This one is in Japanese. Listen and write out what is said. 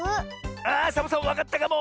あサボさんわかったかも！